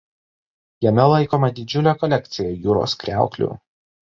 Jame laikoma didžiulė kolekcija jūros kriauklių.